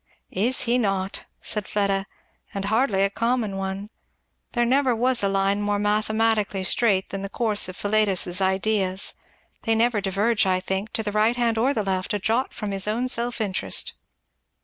"Is he not!" said Fleda. "And hardly a common one. There never was a line more mathematically straight than the course of Philetus's ideas; they never diverge, I think, to the right hand or the left, a jot from his own self interest."